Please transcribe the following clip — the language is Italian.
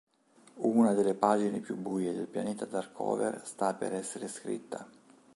Una delle pagine più buie del pianeta Darkover sta per essere scritta.